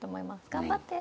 頑張って。